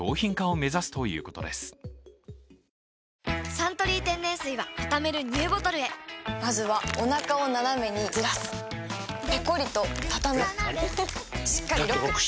「サントリー天然水」はたためるＮＥＷボトルへまずはおなかをナナメにずらすペコリ！とたたむしっかりロック！